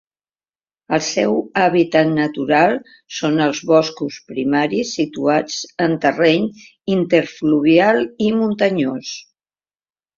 El seu hàbitat natural són els boscos primaris situats en terreny interfluvial i muntanyós.